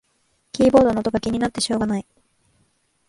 キーボードの音が気になってしょうがない